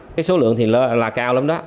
cái số lượng thì là cao lắm đó